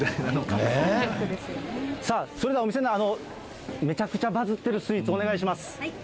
さあ、それではお店の方、めちゃくちゃバズってるスイーツ、お願いします。